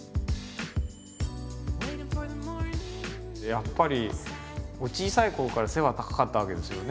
やっぱりお小さいころから背は高かったわけですよね。